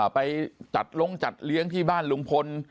ไปจัดลงจัดเลี้ยงที่บ้านลุงพล